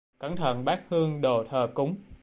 Cẩn thận bát hương đồ thờ cúng